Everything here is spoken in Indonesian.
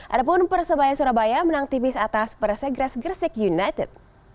adapun persebaya surabaya menang tipis atas persegres gresik united